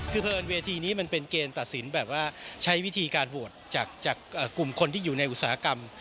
คือเพราะเอิญเวทีนี้มันเป็นเกณฑ์ตัดสินแบบว่าใช้วิธีการโหวตจากกลุ่มคนที่อยู่ในอุตสาหกรรม